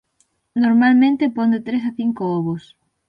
Normalmente pon de tres a cinco ovos.